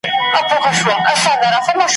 مشوره له چا؟ ,